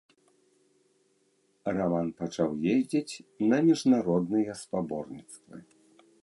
Раман пачаў ездзіць на міжнародныя спаборніцтвы.